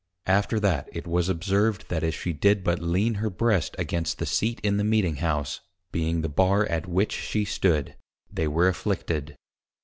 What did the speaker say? After that, it was observed, that if she did but lean her Breast against the Seat in the Meeting House, (being the Bar at which she stood), they were afflicted.